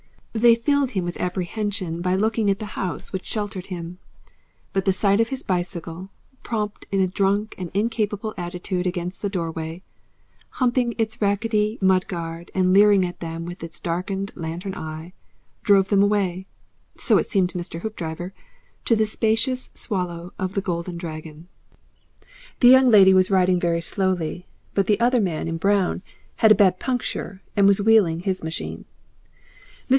They filled him with apprehension by looking at the house which sheltered him, but the sight of his bicycle, propped in a drunk and incapable attitude against the doorway, humping its rackety mud guard and leering at them with its darkened lantern eye, drove them away so it seemed to Mr. Hoopdriver to the spacious swallow of the Golden Dragon. The young lady was riding very slowly, but the other man in brown had a bad puncture and was wheeling his machine. Mr.